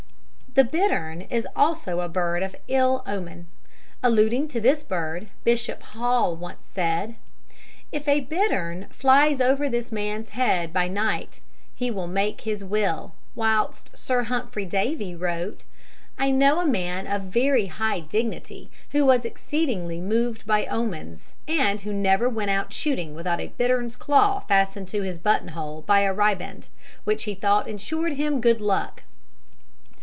The bittern is also a bird of ill omen. Alluding to this bird, Bishop Hall once said: "If a bittern flies over this man's head by night, he will make his will"; whilst Sir Humphry Davy wrote: "I know a man of very high dignity who was exceedingly moved by omens, and who never went out shooting without a bittern's claw fastened to his button hole by a riband, which he thought ensured him 'good luck.'"